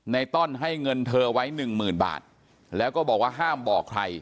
ต้อนให้เงินเธอไว้หนึ่งหมื่นบาทแล้วก็บอกว่าห้ามบอกใคร